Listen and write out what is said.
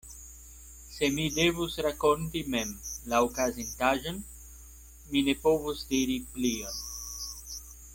Se mi devus rakonti mem la okazintaĵon, mi ne povus diri plion.